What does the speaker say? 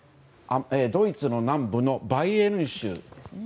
ドイツの南部のバイエルン州